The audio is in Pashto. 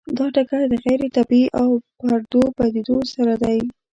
دا ټکر د غیر طبیعي او پردو پدیدو سره دی.